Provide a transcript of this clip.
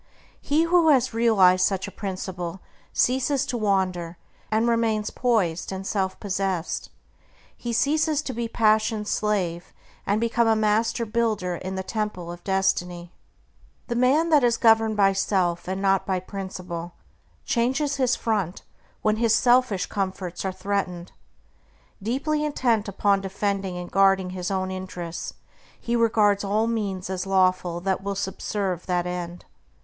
He who has realized such a principle ceases to wander, and remains poised and self possessed. He ceases to be "passion's slave," and becomes a master builder in the Temple of Destiny. The man that is governed by self, and not by a principle, changes his front when his selfish comforts are threatened. Deeply intent upon defending and guarding his own interests, he regards all means as lawful that will subserve that end.